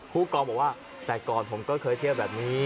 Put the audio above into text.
ผู้กองบอกว่าแต่ก่อนผมก็เคยเที่ยวแบบนี้